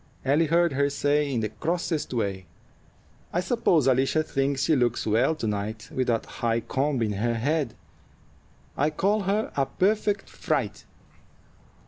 Ellie heard her say, in the crossest way: "I suppose Alicia thinks she looks well to night with that high comb in her head. I call her a perfect fright."